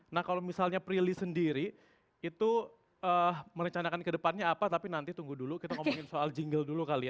nah kalau misalnya prilly sendiri itu merencanakan kedepannya apa tapi nanti tunggu dulu kita ngomongin soal jingle dulu kali ya